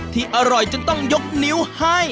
ที่อร่อยจนต้องยกนิ้วให้